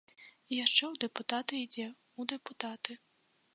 І яшчэ ў дэпутаты ідзе, у дэпутаты.